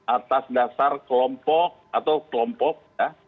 atas dasar kelompok atau kelompok ya